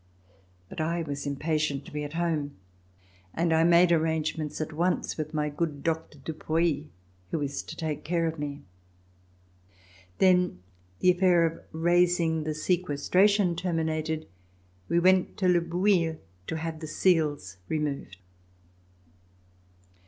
But I was impatient to be at home, and I made arrangements at once with my good Doctor Dupouy who was to take care of me. Then, the affair of raising the sequestration terminated, we went to Le Bouilh to have the seals removed.